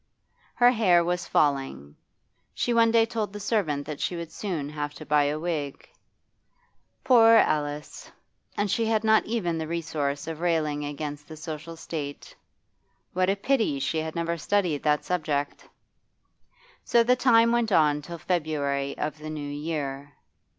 Her hair was falling; she one day told the servant that she would soon have to buy a wig. Poor Alice! And she had not even the resource of railing against the social state. What a pity she had never studied that subject! So the time went on till February of the new year.